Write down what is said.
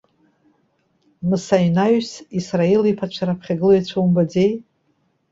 Мыса инаҩс Исраил иԥацәа раԥхьагылаҩцәа умбаӡеи?